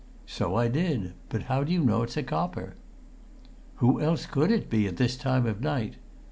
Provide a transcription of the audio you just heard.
"So I did; but how do you know it's a copper?" "Who else could it be at this time of night?